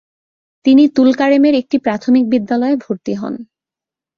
তিনি তুলকারেমের একটি প্রাথমিক বিদ্যালয়ে ভর্তি হন।